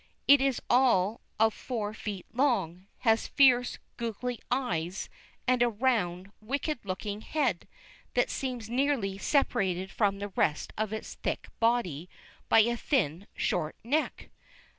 It is all of four feet long, has fierce, goggly eyes, and a round, wicked looking head, that seems nearly separated from the rest of its thick body by a thin, short neck.